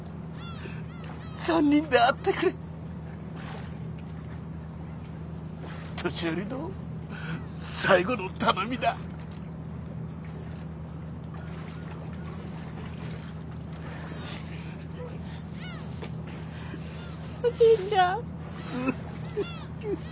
３人で会ってくれ年寄りの最後の頼みだおじいちゃん